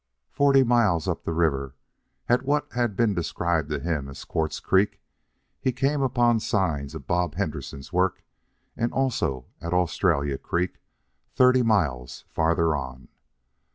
Forty miles up the river, at what had been described to him as Quartz Creek, he came upon signs of Bob Henderson's work, and also at Australia Creek, thirty miles farther on.